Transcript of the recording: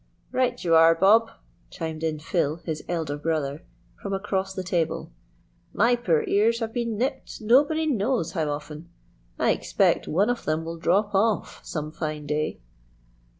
"Right your are, Bob," chimed in Phil, his elder brother, from across the table. "My poor ears have been nipped nobody knows how often. I expect one of them will drop off some fine day."